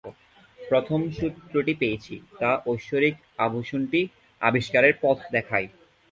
প্রথম সূত্রটি পেয়েছি তা ঐশ্বরিক আভূষণটি আবিষ্কারের পথ দেখায়।